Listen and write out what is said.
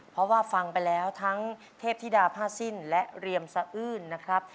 เพราะว่าฟังไปแล้วทั้งเทพธิดาผ้าสิ้นและเรียมสะอื้นนะครับ